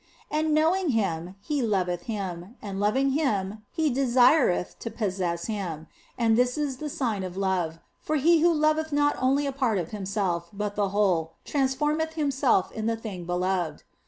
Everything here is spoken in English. And knowing Him, he loveth Him, and loving Him he.desireth to possess Him ; and this is the sign of love, for he who loveth not only a part of himself, but the whole, transformeth him self in the thing beloved.